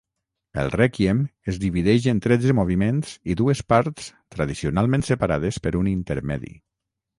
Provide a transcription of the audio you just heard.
El Rèquiem es divideix en tretze moviments i dues parts tradicionalment separades per un intermedi.